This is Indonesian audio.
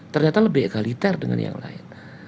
ternyata lebih egaliter dengan yang lain